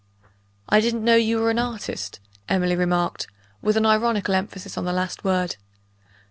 "I didn't know you were an artist," Emily remarked, with an ironical emphasis on the last word.